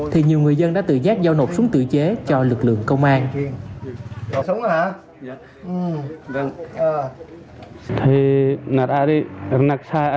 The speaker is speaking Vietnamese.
thì nhiều người dân đã tự giác giao nộp súng tự chế cho lực lượng công an